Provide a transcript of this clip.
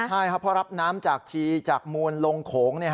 ใช่ครับเพราะรับน้ำจากชีจากมูลลงโขง